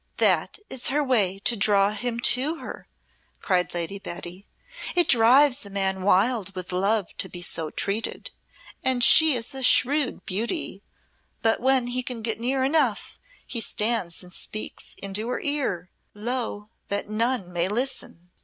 "That is her way to draw him to her," cried Lady Betty. "It drives a man wild with love to be so treated and she is a shrewd beauty; but when he can get near enough he stands and speaks into her ear low, that none may listen.